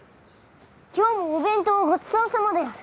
今日もお弁当ごちそうさまである。